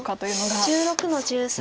黒１６の十三ツギ。